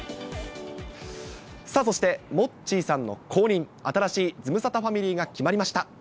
そして、モッチーさんの後任、新しいズムサタファミリーが決まりました。